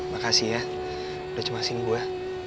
makasih ya udah cemasin gue